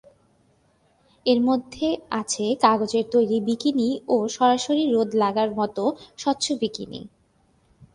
এর মধ্যে আছে কাগজের তৈরি বিকিনি ও সরাসরি রোদ লাগার মতো স্বচ্ছ বিকিনি।